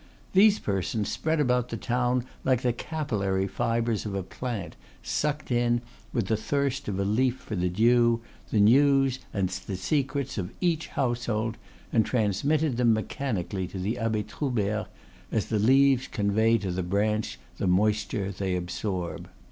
These persons, spread about the town like the capillary fibres of a plant, sucked in, with the thirst of a leaf for the dew, the news and the secrets of each household, and transmitted them mechanically to the Abbe Troubert, as the leaves convey to the branch the moisture they absorb.